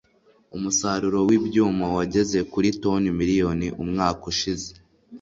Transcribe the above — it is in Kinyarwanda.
Umusaruro wibyuma wageze kuri toni miliyoni umwaka ushize.